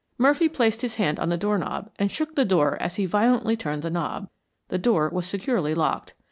Murphy placed his hand on the doorknob and shook the door as he violently turned the knob. The door was securely locked.